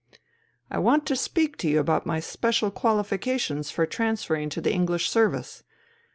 *'I want to speak to you about my special qualifications for transferring to the English Service.